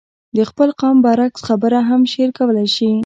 د خپل قوم برعکس خبره هم شعر کولای شي.